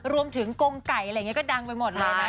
รวมถึงกงไก่อะไรอย่างนี้ก็ดังไปหมด